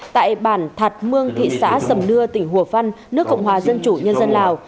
tại bản thạc mương thị xã sầm nưa tỉnh hùa phân nước cộng hòa dân chủ nhân dân lào